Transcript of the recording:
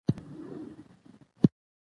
کلي د افغانستان په طبیعت کې مهم رول لري.